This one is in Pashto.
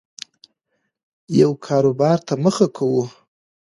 یو کاربار ته مخه کوو